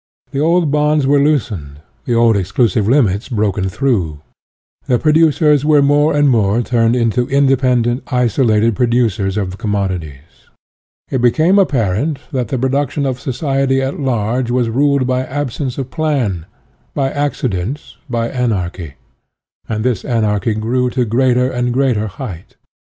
The old bonds were loosened, the old exclusive limits broken through, the producers were more and more turned into independent, isolated producers of commodities. It became ap parent that the production of society at large was ruled by absence of plan, by 1 Stt Appendix. UTOPIAN AND SCIENTIFIC 1C*) accident, by anarchy ; and this anarchy grew to greater and greater height.